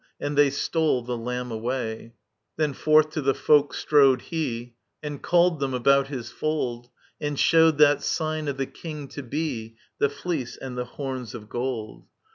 And they stole the Lamb away I Digitized by VjOOQIC ELECTRA 49 Then forth to the folk strode he, And called them about his fold, And showed that Sign of the King to be, The fleece and the horns of gold.